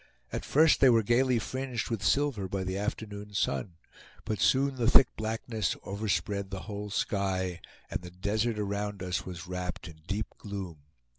At first they were gayly fringed with silver by the afternoon sun, but soon the thick blackness overspread the whole sky, and the desert around us was wrapped in deep gloom.